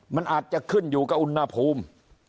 มันอาจจะขึ้นอยู่กับอุณหภูมิ